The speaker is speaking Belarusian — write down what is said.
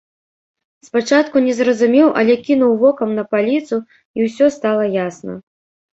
Спачатку не зразумеў, але кінуў вокам на паліцу, і ўсё стала ясна.